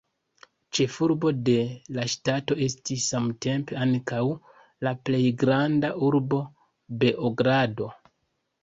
Ĉefurbo de la ŝtato estis samtempe ankaŭ la plej granda urbo Beogrado.